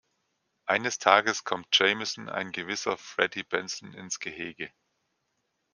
Eines Tages kommt Jamieson ein gewisser Freddy Benson ins Gehege.